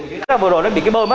vừa rồi nó bị cái bơm á